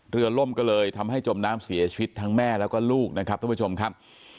ล่มก็เลยทำให้จมน้ำเสียชีวิตทั้งแม่แล้วก็ลูกนะครับท่านผู้ชมครับ